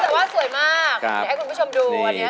โอ้แต่ว่าสวยมากให้คุณผู้ชมดูอันนี้สวยจริง